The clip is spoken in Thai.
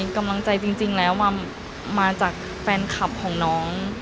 กำลังใจจริงแล้วมาจากแฟนคลับของน้อง